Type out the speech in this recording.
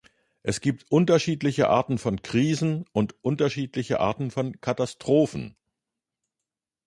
Es gibt unterschiedliche Arten von Krisen und unterschiedliche Arten von Katastrophen.